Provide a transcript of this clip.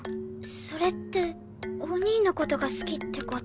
それってお兄の事が好きって事？